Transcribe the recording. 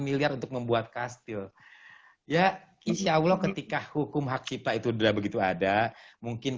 miliar untuk membuat kastil ya insya allah ketika hukum hak kita itu udah begitu ada mungkin